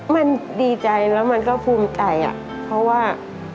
มันดีใจแล้วมันก็ภูมิใจอะเพราะว่า